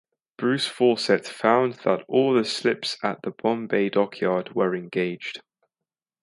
Bruce Fawcett found that all the slips at the Bombay Dockyard were engaged.